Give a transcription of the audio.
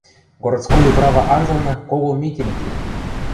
Городской управа анзылны кого митинг ли.